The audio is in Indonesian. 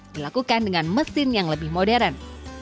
dilakukan dengan mesin yang lebih modern